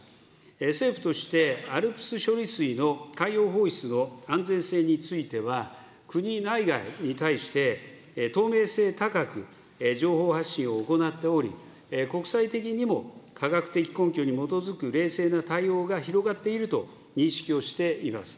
政府としてＡＬＰＳ処理水の海洋放出の安全性については、国内外に対して透明性高く情報発信を行っており、国際的にも科学的根拠に基づく冷静な対応が広がっていると認識をしています。